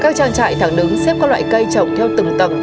các trang trại thẳng đứng xếp các loại cây trồng theo từng tầng